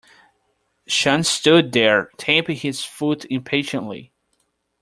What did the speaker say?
Sean stood there tapping his foot impatiently.